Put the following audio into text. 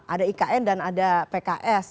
ada ikn dan ada pks